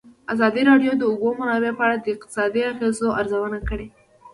ازادي راډیو د د اوبو منابع په اړه د اقتصادي اغېزو ارزونه کړې.